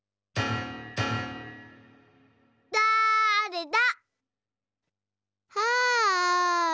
だれだ？